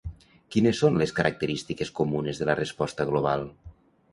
Quines són les característiques comunes de la resposta global?